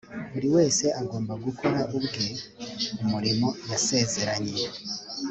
buri wese agomba gukora ubwe umurimo yasezeranye